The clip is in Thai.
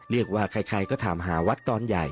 เรียกว่าใครก็ถามหาวัดตอนใหญ่